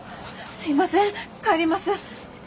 すいません帰ります。